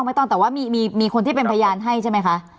ไม่ต้องแต่ว่ามีคนที่เป็นพยานให้ใช่ไหมคะ